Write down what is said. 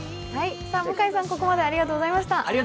向井さん、ここまでありがとうございました。